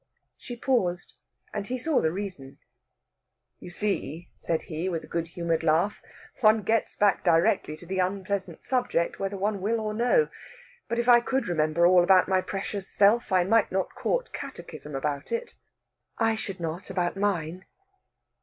She paused, and he saw the reason. "You see," said he, with a good humoured laugh, "one gets back directly to the unpleasant subject, whether one will or no. But if I could remember all about my precious self, I might not court catechism about it...." "I should not about mine."